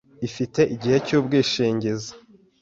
ifite igihe cy’ubwishingizi